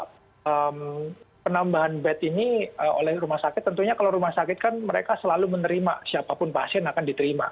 dan penambahan bed ini oleh rumah sakit tentunya kalau rumah sakit kan mereka selalu menerima siapapun pasien akan diterima